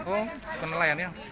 oh bukan nelayan ya